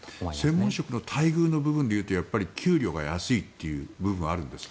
専門職の待遇の部分でいうと給料が安いという部分はあるんですか？